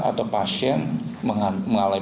atau pasien mengalami